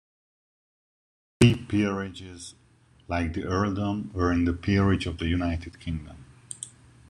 The three peerages, like the earldom, were in the Peerage of the United Kingdom.